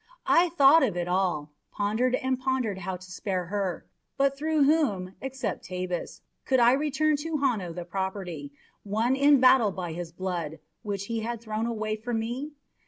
I thought of it all, pondered and pondered how to spare her; but through whom, except Tabus, could I return to Hanno the property, won in battle by his blood, which he had thrown away for me?